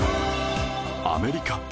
アメリカ